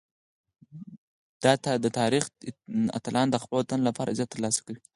د تاریخ اتلان د خپل وطن لپاره عزت ترلاسه کوي.